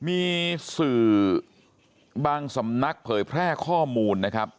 มีสื่อบางสำนักเผยแพร่ข้อมูลนะครับ